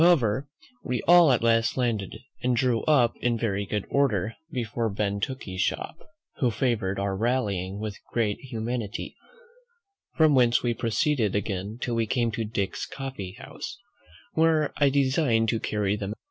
However, we all at last landed, and drew up in very good order before Ben Tooke's shop, who favoured our rallying with great humanity; from whence we proceeded again till we came to Dick's coffee house, where I designed to carry them.